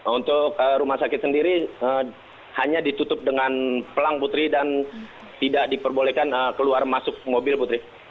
untuk rumah sakit sendiri hanya ditutup dengan pelang putri dan tidak diperbolehkan keluar masuk mobil putri